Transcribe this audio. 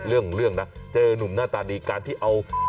เรื่องนะเจอนุ่มหน้าตาดีการที่เอาเงินไปให้